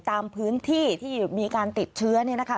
ตามพื้นที่ที่มีการติดเชื้อเนี่ยนะคะ